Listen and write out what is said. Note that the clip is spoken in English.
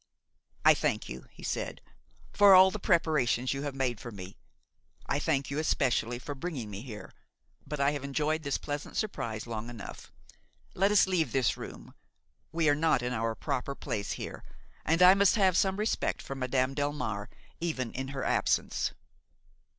"I thank you," he said, "for all the preparations you have made for me; I thank you especially for bringing me here, but I have enjoyed this pleasant surprise long enough. Let us leave this room; we are not in our proper place here, and I must have some respect for Madame Delmare, even in her absence."